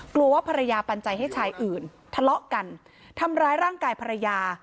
กลัวว่าภรรยาปันใจให้ชายอื่นทะเลาะกันทำร้ายร่างกายภรรยา